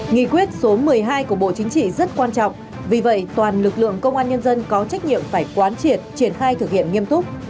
nghị quyết số một mươi hai của bộ chính trị rất quan trọng vì vậy toàn lực lượng công an nhân dân có trách nhiệm phải quán triệt triển khai thực hiện nghiêm túc